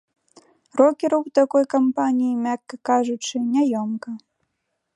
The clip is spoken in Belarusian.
Рокеру ў такой кампаніі, мякка кажучы, няёмка.